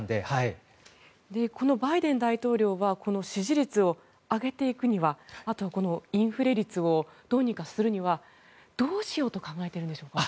このバイデン大統領は支持率を上げていくにはあと、インフレ率をどうにかするにはどうしようと考えているんでしょうか？